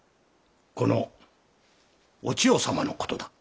このお千代様の事だ。